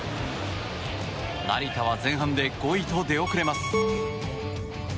成田は前半で５位と出遅れます。